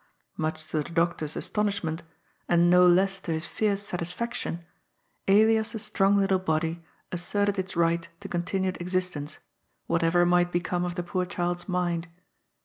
Much to the doctor's astonishment, and no less to his fierce satisfaction, Elias's strong little body asserted its right to continued existence, whatever might become of the poor child's mind.